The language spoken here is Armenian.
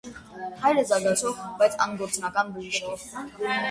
Հայրը զարգացող, բայց անգործնական բժիշկ էր։